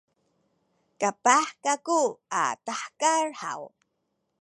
kapah kaku a tahekal haw?